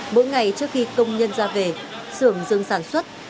mỗi ngày trước khi công nhân ra về xưởng dừng sản xuất